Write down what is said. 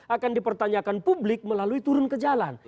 akan dipertanyakan publik melalui turun ke jalan